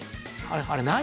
あれ何？